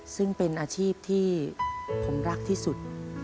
ซึ่งเป็นอาชีพที่ผมรักที่สุด